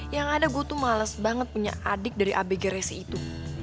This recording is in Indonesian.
yang ada gue tuh males banget punya adik dari abg resi itu